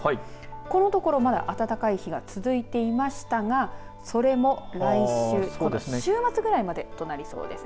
このところまだ暖かい日が続いていましたがそれも来週週末くらいまでとなりそうです。